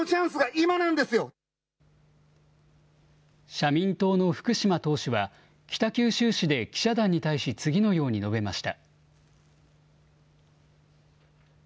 社民党の福島党首は、北九州市で記者団に対し、次のように述べました。